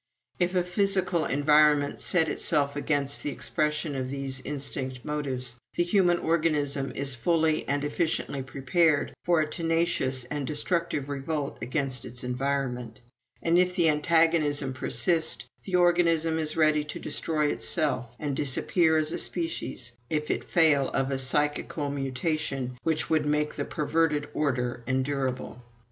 If a physical environment set itself against the expression of these instinct motives, the human organism is fully and efficiently prepared for a tenacious and destructive revolt against this environment; and if the antagonism persist, the organism is ready to destroy itself and disappear as a species if it fail of a psychical mutation which would make the perverted order endurable."